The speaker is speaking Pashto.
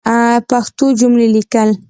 پښتو جملی لیکل